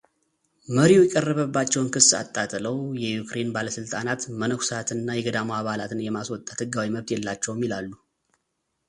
መሪው የቀረበባቸውን ክስ አጣጥለው የዩክሬን ባለሥልጣናት መነኩሳትና የገዳሙ አባላትን የማስወጣት ሕጋዊ መብት የላቸውም ይላሉ።